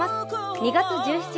２月１７日